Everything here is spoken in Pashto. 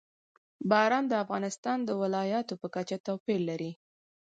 باران د افغانستان د ولایاتو په کچه توپیر لري.